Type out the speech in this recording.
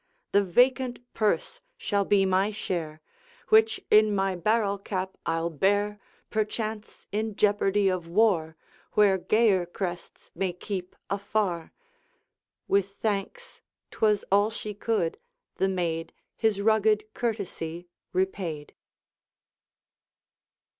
The vacant purse shall be my share, Which in my barrel cap I'll bear, Perchance, in jeopardy of war, Where gayer crests may keep afar.' With thanks 'twas all she could the maid His rugged courtesy repaid.